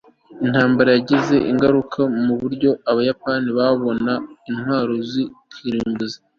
intambara yagize ingaruka muburyo abayapani babona intwaro za kirimbuzi